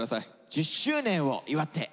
１０周年を祝って。